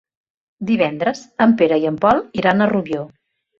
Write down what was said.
Divendres en Pere i en Pol iran a Rubió.